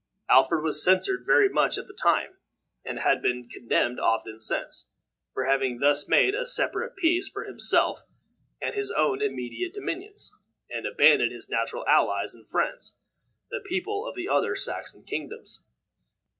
Alfred was censured very much at the time, and has been condemned often since, for having thus made a separate peace for himself and his own immediate dominions, and abandoned his natural allies and friends, the people of the other Saxon kingdoms.